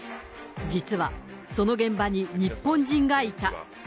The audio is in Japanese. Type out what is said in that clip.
実はその現場に、日本人がいた。